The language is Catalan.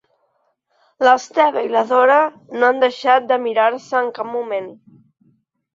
L'Esteve i la Dora no han deixat de mirar-se en cap moment.